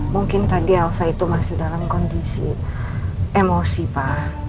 mungkin tadi elsa itu masih dalam kondisi emosi pak